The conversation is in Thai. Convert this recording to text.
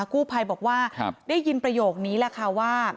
กู้ภัยบอกว่าได้ยินประโยคนี้แหละค่ะว่า